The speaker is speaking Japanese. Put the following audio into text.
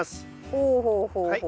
ほうほうほうほう。